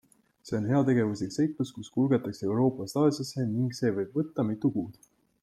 See on heategevuslik seiklus, kus kulgetakse Euroopast Aasiasse ning see võib võtta mitu kuud.